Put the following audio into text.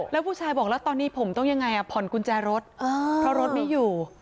แล้วผู้ชายบอกแล้วตอนนี้ผมต้องยังไงผ่อนกุญแจรถเพราะรถไม่อยู่